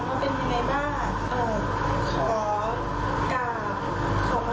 ก็เป็นคำถามกรณาที่คุณรวมค้นนะคะ